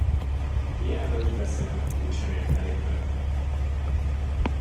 Hiába is beszélne, úgysem értenék meg.